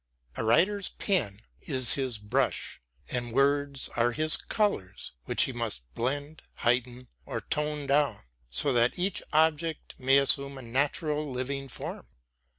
A writer's pen is his brush, and words are his colors, which he must blend, heighten, or tone down, so that each object may assume a natural living form.